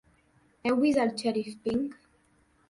Heu vist al xèrif Pink?